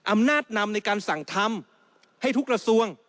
อำนาจนำในการสั่งทำให้ทุกกระทรวง